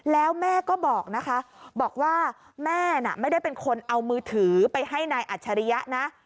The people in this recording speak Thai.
แล้วแม่ก็บอกนะคะบอกว่าแม่น่ะไม่ได้เป็นคนเอามือถือไปให้นายอัจฉริยะนะ